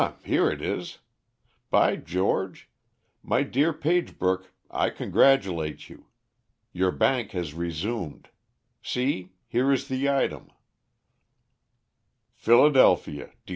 here it is. By George! My dear Pagebrook, I congratulate you. Your bank has resumed. See, here is the item: "'PHILADELPHIA, DEC.